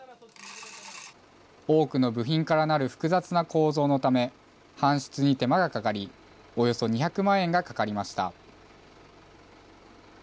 多くの部品からなる、複雑な構造のため、搬出に手間がかかり、およそ２００万円がかかりました。